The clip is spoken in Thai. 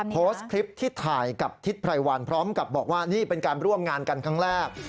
โพสต์คลิปที่ถ่ายกับทิศไพรวันพร้อมกับบอกว่านี่เป็นการร่วมงานกันครั้งแรก